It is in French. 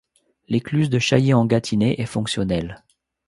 L’écluse de Chailly-en-Gâtinais est fonctionnelle.